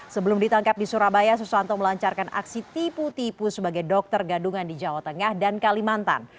sebelum ditangkap di surabaya susanto melancarkan aksi tipu tipu sebagai dokter gadungan di jawa tengah dan kalimantan